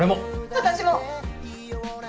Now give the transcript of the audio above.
私も！